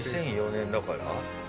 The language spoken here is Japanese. ２００４年だから？